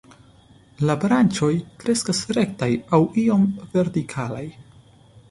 La branĉoj kreskas rektaj aŭ iom vertikalaj.